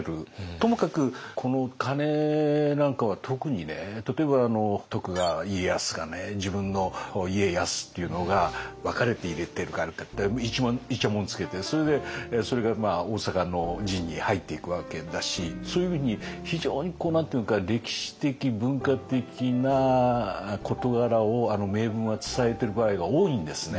ともかくこの鐘なんかは特にね例えば徳川家康が自分の「家康」っていうのが分かれて入れてるからっていちゃもんをつけてそれでそれが大坂の陣に入っていくわけだしそういうふうに非常に何ていうか歴史的文化的な事柄をあの銘文は伝えている場合が多いんですね。